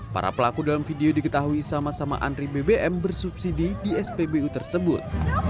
para pelaku dalam video diketahui sama sama antri bbm bersubsidi di spbu tersebut